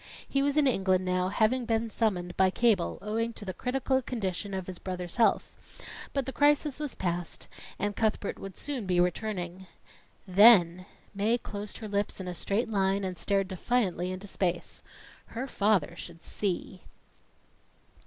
He was in England now, having been summoned by cable, owing to the critical condition of his brother's health, but the crisis was past, and Cuthbert would soon be returning. Then Mae closed her lips in a straight line and stared defiantly into space. Her father should see!